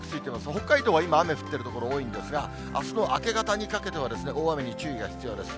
北海道は今、雨降っている所多いんですが、あすの明け方にかけては、大雨に注意が必要です。